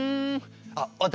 あっ私？